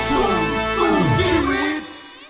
รบทุนสู่ชีวิต